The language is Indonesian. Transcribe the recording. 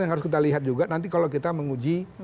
yang harus kita lihat juga nanti kalau kita menguji